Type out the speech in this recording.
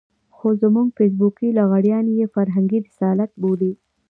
خو زموږ فېسبوکي لغړيان يې فرهنګي رسالت بولي.